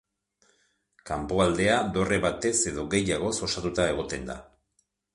Kanpoaldea dorre batez edo gehiagoz osatuta egoten da.